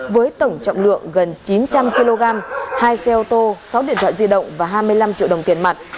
với tổng trọng lượng gần chín trăm linh kg hai xe ô tô sáu điện thoại di động và hai mươi năm triệu đồng tiền mặt